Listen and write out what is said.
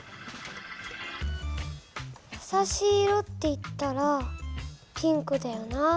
やさしい色っていったらピンクだよな。